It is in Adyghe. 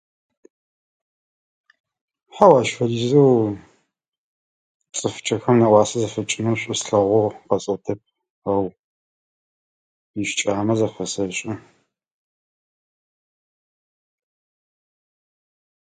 Хьау, ащ фэдизэу цӏыфкӏэхэр нэӏуасэ зэфэкӏынэу шъуслъэгъугъ къэзӏотэп, ау ищыкӏагъэмэ зэфэсэшӏы.